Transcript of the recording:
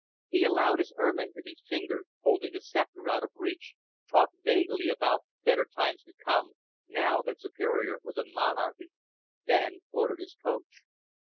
He allowed his ermine to be fingered, holding the scepter out of reach, talked vaguely about better times to come now that Superior was a monarchy, then ordered his coach.